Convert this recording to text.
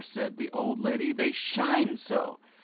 asked the old lady. "They shine so."